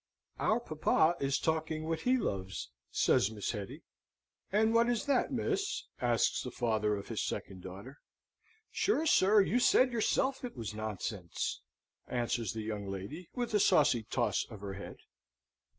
"Our papa is talking what he loves," says Miss Hetty. "And what is that, miss?" asks the father of his second daughter. "Sure, sir, you said yourself it was nonsense," answers the young lady, with a saucy toss of her head.